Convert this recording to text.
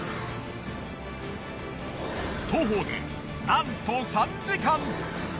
徒歩でなんと３時間。